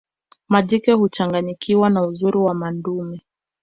majike huchanganyikiwa kwa uzuri wa madume